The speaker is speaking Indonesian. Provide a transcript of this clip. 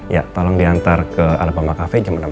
ya tolong diantar ke alabama cafe jam enam sore ya